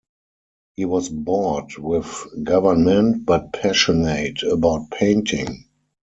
He was bored with government, but passionate about painting.